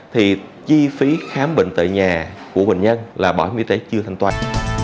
thì chi phí khám bệnh tại nhà của bệnh nhân là bộ y tế chưa thanh toán